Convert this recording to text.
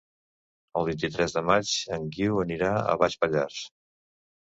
El vint-i-tres de maig en Guiu anirà a Baix Pallars.